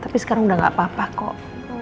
tapi sekarang udah gak apa apa kok